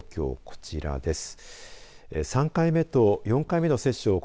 こちらです。